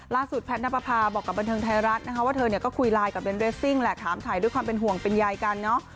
แพทย์นับประพาบอกกับบันเทิงไทยรัฐนะคะว่าเธอเนี่ยก็คุยไลน์กับเบนเรสซิ่งแหละถามถ่ายด้วยความเป็นห่วงเป็นใยกันเนอะ